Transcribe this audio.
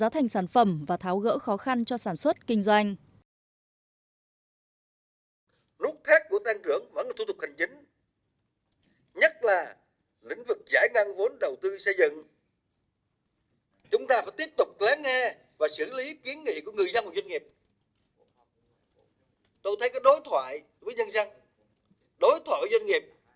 tôi thấy cái đối thoại với dân dân đối thoại với doanh nghiệp